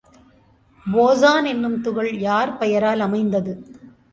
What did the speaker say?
Boson என்னும் துகள் யார் பெயரால் அமைந்தது?